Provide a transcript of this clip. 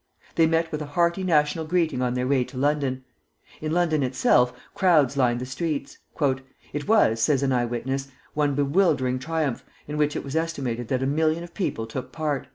They met with a hearty national greeting on their way to London. In London itself crowds lined the streets. "It was," says an eye witness, "one bewildering triumph, in which it was estimated that a million of people took part."